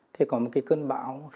thì có một cái cơn bão số một mươi